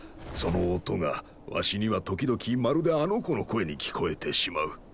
その音がわしには時々まるであの子の声に聞こえてしまう。